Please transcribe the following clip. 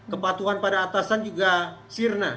kepatuhan pada atasan juga sirna